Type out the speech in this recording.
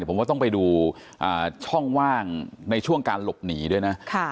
ผมว่าต้องไปดูช่องว่างในช่วงการหลบหนีด้วยนะ